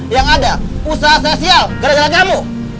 yang ada usaha sosial gara gara kamu